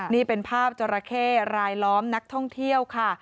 นี่เป็นภาพจราเข้รายล้อมนักท่องเที่ยวค่ะ